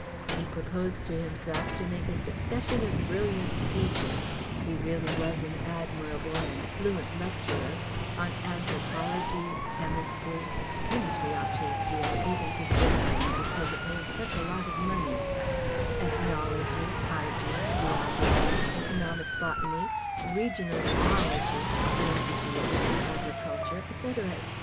He proposed to himself to make a succession of brilliant speeches (he really was an admirable and fluent lecturer) on Anthropology, Chemistry Chemistry ought to appeal, even to City men because it made such a lot of money Ethnology, Hygiene, Geography, Economic Botany, Regional Zoology, Germ Diseases, Agriculture, etc., etc.